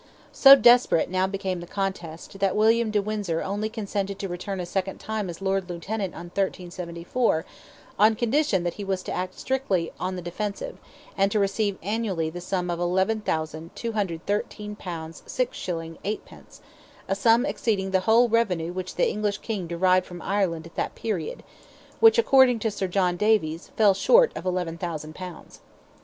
So desperate now became the contest, that William de Windsor only consented to return a second time as Lord Lieutenant in 1374, on condition that he was to act strictly on the defensive, and to receive annually the sum of 11,213 pounds 6 shillings 8 pence—a sum exceeding the whole revenue which the English King derived from Ireland at that period; which, according to Sir John Davies, fell short of 11,000 pounds.